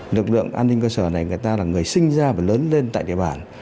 lực lượng an ninh cơ sở này người ta là người sinh ra và lớn lên tại địa bàn